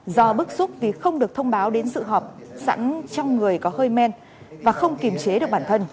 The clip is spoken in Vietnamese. do bức xúc vì không được thông báo đến sự họp sẵn trong người có hơi men và không kiềm chế được bản thân